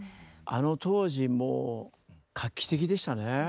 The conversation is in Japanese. あの当時もう画期的でしたねえ。